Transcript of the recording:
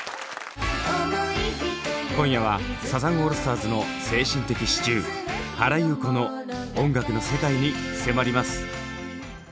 今夜はサザンオールスターズの精神的支柱原由子の音楽の世界に迫ります。